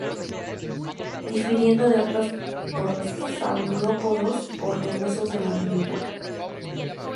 Difiriendo de otros prosaurópodos por los huesos de la mandíbula.